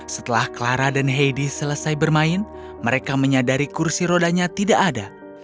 setelah clara dan heidi selesai bermain mereka menyadari kursi rodanya tidak ada